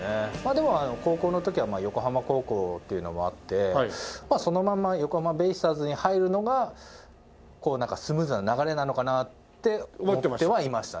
でも高校の時は横浜高校っていうのもあってそのまま横浜ベイスターズに入るのがスムーズな流れなのかなって思ってはいましたね。